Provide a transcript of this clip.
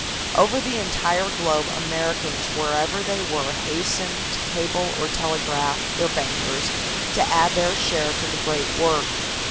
Over the entire globe Americans wherever they were hastened to cable or telegraph their bankers to add their share to the great work.